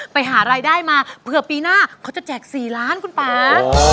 ไปหารายได้มาเผื่อปีหน้าเขาจะแจก๔ล้านคุณป่า